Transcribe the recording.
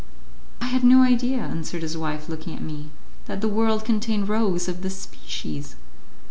"I had no idea," answered his wife, looking at me, "that the world contained rogues of this species."